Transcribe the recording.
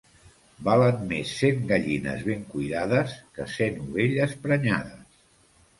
Valen més cent gallines ben cuidades que cent ovelles prenyades.